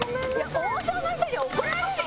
王将の人に怒られるよ！